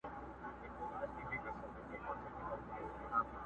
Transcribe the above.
د بل تر زوى خپله پکه لور لا ښه ده.